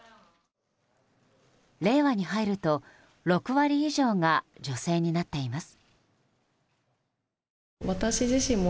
令和に入ると６割以上が女性になっています。